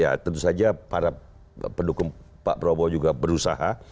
ya tentu saja para pendukung pak prabowo juga berusaha